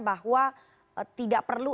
bahwa tidak perlu